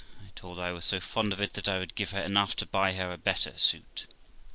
I told her I was so fond of it that I would give her enough to buy her a better suit.